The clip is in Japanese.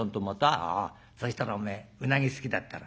そしたらおめえうなぎ好きだったろ？